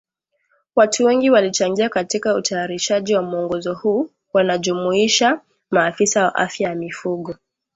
Watu wengi walichangia katika utayarishaji wa mwongozo huu wanajumuisha maafisa wa afya ya mifugo